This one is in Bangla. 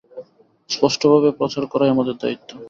স্পষ্টভাবে প্রচার করাই আমাদের দায়িত্ব।